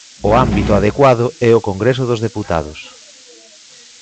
O ámbito adecuado é o Congreso dos Deputados.